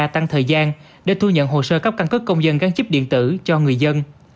tăng thời gian để thu nhận hồ sơ cấp căn cứ công dân gắn chip điện tử cho người dân